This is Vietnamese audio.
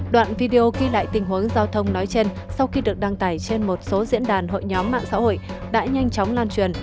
đoạn video ghi lại tình huống giao thông nói trên sau khi được đăng tải trên một số diễn đàn hội nhóm mạng xã hội đã nhanh chóng lan truyền